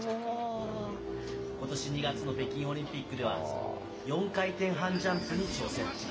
今年２月の北京オリンピックでは４回転半ジャンプに挑戦。